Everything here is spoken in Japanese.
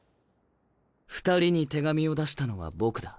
⁉二人に手紙を出したのは僕だ。